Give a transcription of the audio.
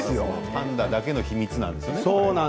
パンダだけの秘密なんですね。